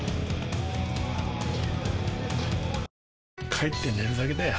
帰って寝るだけだよ